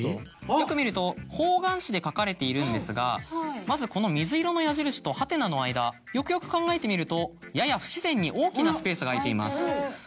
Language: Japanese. よく見ると方眼紙で書かれているんですがまずこの水色の矢印とハテナの間よくよく考えてみるとやや不自然に大きなスペースが空いています。